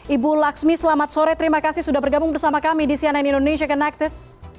ibu laksmi selamat sore terima kasih sudah bergabung bersama kami di cnn indonesia connected